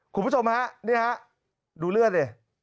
คุณผู้ชมครับนี่ครับดูเลือดนี่